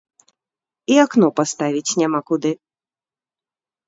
І акно паставіць няма куды.